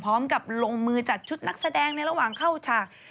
พร้อมกับลงมือจัดชุดนักแสดงในระหว่างเข้าฉาก